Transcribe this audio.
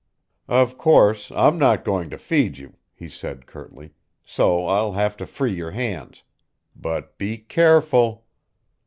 "Of course, I'm not going to feed you," he said curtly, "so I'll have to free your hands. But be careful."